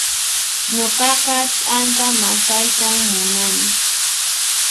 Nuqaqa t'anta masaytan munani